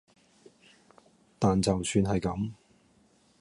但就算係咁